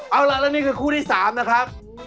เอาล่ะแล้วนี่คือคู่ที่๓นะครับ